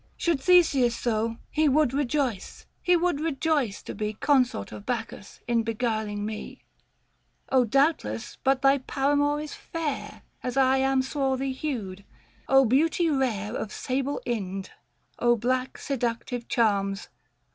Should Theseus so He would rejoice, he would rejoice to be Consort of Bacchus, in beguiling me. 86 THE FASTI. Book III. Oh doubtless but thy paramour is fair ! 535 As I am swarthy hued. beauty rare Of sable Incl ! black seductive charms